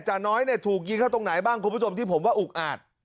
น้อยเนี่ยถูกยิงเข้าตรงไหนบ้างคุณผู้ชมที่ผมว่าอุกอาจ